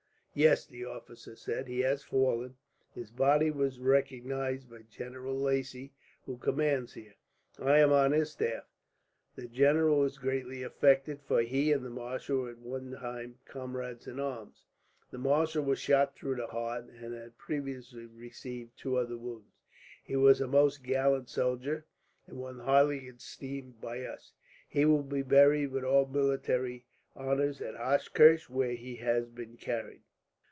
"Yes," the officer said, "he has fallen. His body was recognized by General Lacy, who commands here. I am on his staff. The general was greatly affected, for he and the marshal were at one time comrades in arms. The marshal was shot through the heart, and had previously received two other wounds. He was a most gallant soldier, and one highly esteemed by us. He will be buried with all military honours at Hochkirch, where he has been carried."